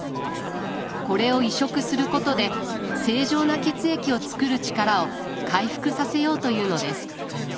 これを移植することで正常な血液をつくる力を回復させようというのです。